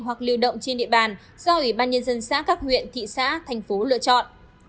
hoặc liều động trên địa bàn do ủy ban nhân dân xã các huyện thị xã thành phố lựa chọn